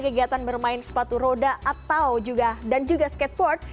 kegiatan bermain sepatu roda atau juga dan juga skateboard